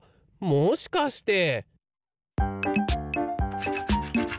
もしかして！